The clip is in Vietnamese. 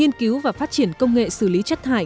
phục vụ và phát triển công nghệ xử lý chất thải